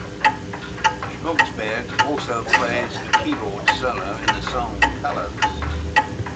Skogsberg also plays a keyboard solo in the song "Colours".